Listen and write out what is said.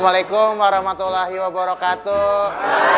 waalaikumsalam warahmatullahi wabarakatuh